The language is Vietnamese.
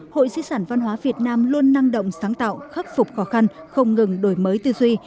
hội di sản văn hóa việt nam luôn năng động sáng tạo khắc phục khó khăn không ngừng đổi mới tư duy